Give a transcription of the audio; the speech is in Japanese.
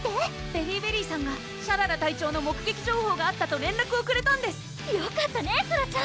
ベリィベリーさんがシャララ隊長の目撃情報があったと連絡をくれたんですよかったねソラちゃん！